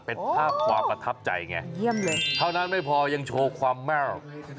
เป็นภาพความประทับใจไงเท่านั้นไม่พอยังโชว์ความแม่ล